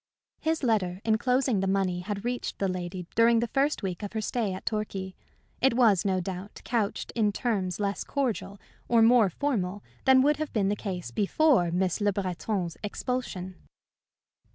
His letter enclosing the money had reached that lady during the first week of her stay at Torquay. It was, no doubt, couched in terms less cordial or more formal than would have been the case before Miss Le Breton's expulsion.